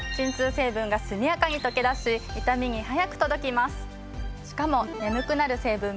しかも。